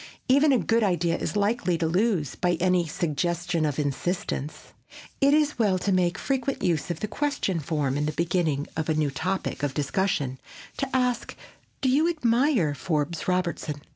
Even a good idea is likely to lose by any suggestion of insistence. It is well to make frequent use of the question form in beginning a new topic of discussion, to ask, "Do you admire Forbes Robertson?"